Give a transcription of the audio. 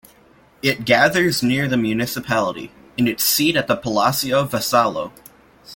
It gathers near the Municipality, in its seat at the Palacio Vassallo.